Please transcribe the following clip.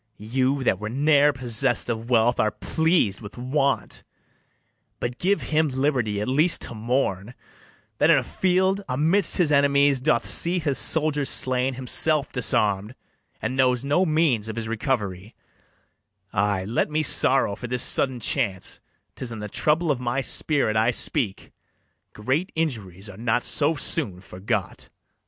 You, that Were ne'er possess'd of wealth, are pleas'd with want; But give him liberty at least to mourn, That in a field, amidst his enemies, Doth see his soldiers slain, himself disarm'd, And knows no means of his recovery: Ay, let me sorrow for this sudden chance; 'Tis in the trouble of my spirit I speak: Great injuries are not so soon forgot.